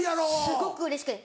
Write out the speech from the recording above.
すごくうれしくて。